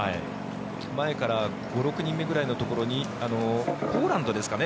前から５６人目ぐらいのところにポーランドですかね。